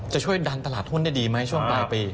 จะช่วยดันตลาดหุ้นได้ดีไหมช่วงปลายปี